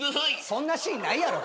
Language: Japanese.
そんなシーンないやろ。